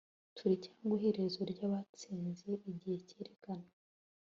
Turi cyangwa Iherezo ryabatsinze Igihe cyerekana